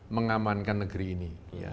mengamankan negeri ini